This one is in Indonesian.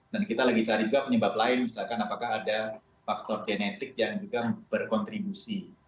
dan kita lagi cari juga penyebab lain misalkan apakah ada faktor genetik yang juga berkontribusi